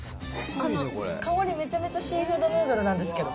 香りめちゃめちゃシーフードヌードルなんですけど。